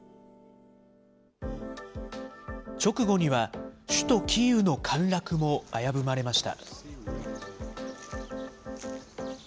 直後には、首都キーウの陥落も危ぶまれました。